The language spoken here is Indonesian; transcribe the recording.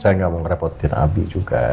saya gak mau mengerepotin abie juga